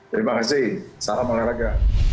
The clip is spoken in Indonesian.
terima kasih salam olahraga